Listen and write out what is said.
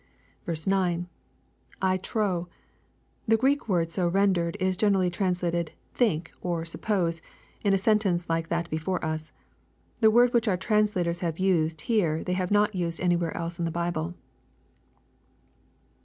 9. —[/ trow.] The Greek word so rendered is generally translated " think," or " suppose," in a sentence like that before us. The word which our translators have used here they have not used anywhere else in the Bible.